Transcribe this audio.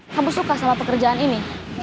kamu suka sama pekerjaan ini